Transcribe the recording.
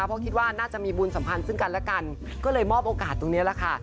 เพราะคิดว่าน่าจะมีบุญสัมพันธ์ซึ่งกันและกันก็เลยมอบโอกาสตรงนี้แหละค่ะ